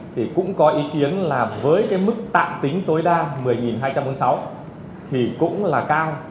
thì cũng có ý kiến là với cái mức tạm tính tối đa một mươi hai trăm bốn mươi sáu thì cũng là cao